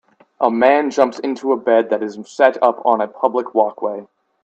A man jumps into a bed that is set up on a public walkway.